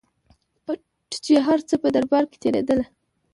پټ چي هر څه په دربار کي تېرېدله